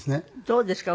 どうですか？